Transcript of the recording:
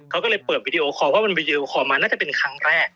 เขาก็เลยเปิดวิดีโอคอลว่ามันไปดีโอคอลมาน่าจะเป็นครั้งแรก